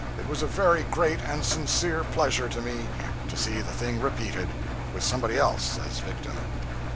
It was a very great and sincere pleasure to me to see the thing repeated with somebody else as victim.